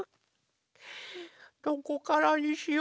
どこからにしようかな。